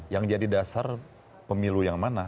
yang jadi dasar pemilu yang mana